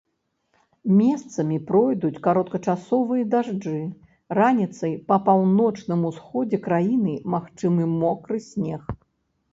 Месцамі пройдуць кароткачасовыя дажджы, раніцай па паўночным усходзе краіны магчымы мокры снег.